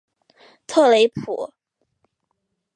特雷普。